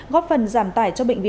góp phần giảm tải cho bệnh